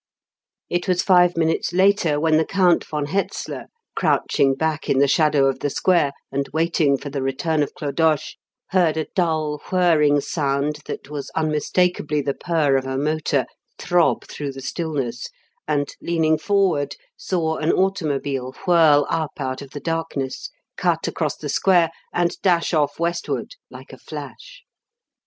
It was five minutes later when the Count von Hetzler, crouching back in the shadow of the square and waiting for the return of Clodoche, heard a dull, whirring sound that was unmistakably the purr of a motor throb through the stillness; and, leaning forward, saw an automobile whirl up out of the darkness, cut across the square, and dash off westward like a flash.